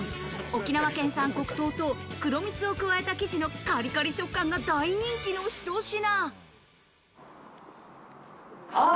沖縄県産黒糖と黒蜜を加えた生地のカリカリ食感が大人気のひと品。